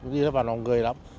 đi vào lòng người lắm